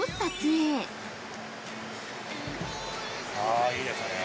あー、いいですね。